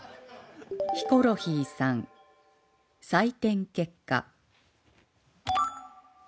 ヒコロヒーさん採点結果